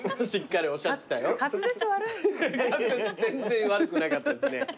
滑舌全然悪くなかったですね。